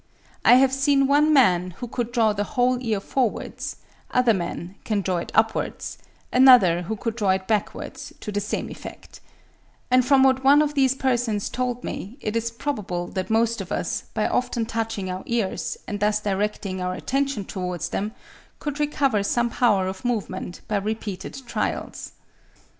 I have seen one man who could draw the whole ear forwards; other men can draw it upwards; another who could draw it backwards (28. Canestrini quotes Hyrtl. ('Annuario della Soc. dei Naturalisti,' Modena, 1867, p. 97) to the same effect.); and from what one of these persons told me, it is probable that most of us, by often touching our ears, and thus directing our attention towards them, could recover some power of movement by repeated trials.